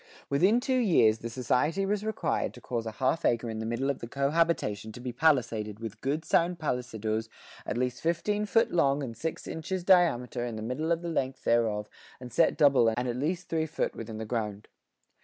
Within two years the society was required to cause a half acre in the middle of the "co habitation" to be palisaded "with good sound pallisadoes at least thirteen foot long and six inches diameter in the middle of the length thereof, and set double and at least three foot within the ground."